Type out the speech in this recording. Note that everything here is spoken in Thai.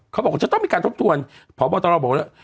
เขาบอกว่าจะต้องมีการทบทวนเพราะว่าตอนเราบอกแล้ว